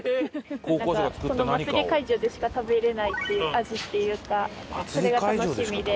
なんかこの祭り会場でしか食べられない味っていうかそれが楽しみで。